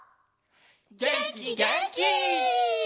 げんきげんき！